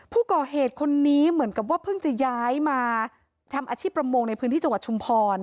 ผู้ก่อเหตุคนนี้เหมือนกับว่าเพิ่งจะย้ายมาทำอาชีพประมงในพื้นที่จังหวัดชุมพร